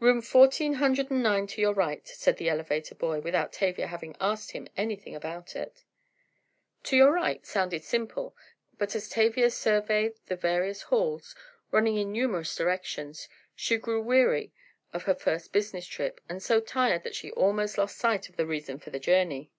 "Room Fourteen Hundred and Nine to your right," said the elevator boy, without Tavia having asked him anything about it. "To your right," sounded simple, but as Tavia surveyed the various halls, running in numerous directions, she grew weary of her first business trip and so tired that she almost lost sight of the reason for the journey.